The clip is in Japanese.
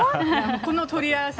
この取り合わせ